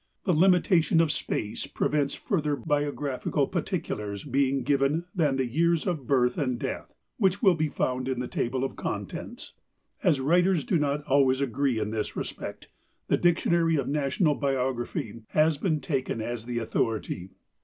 The limitation of space prevents further biographical particulars being given than the years of birth and death, which will be found in the Table of Contents. As writers do not always agree in this respect, "The Dictionary of National Biography" has been taken as the authority.